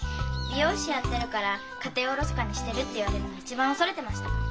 美容師やってるから家庭おろそかにしてるって言われるの一番恐れてました。